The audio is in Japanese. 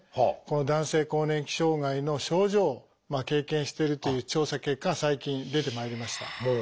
この男性更年期障害の症状を経験してるという調査結果が最近出てまいりました。